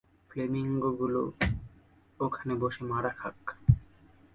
ফ্লেমিঙ্গোগুলো ওখানে বসে মারা খাক!